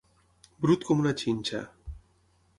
Brut com una xinxa.